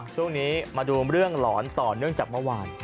ช่วงนี้มาดูเรื่องหลอนต่อเนื่องจากเมื่อวาน